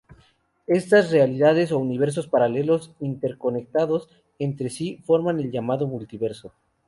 Estas realidades o universos paralelos interconectados entre sí forman el llamado Multiverso.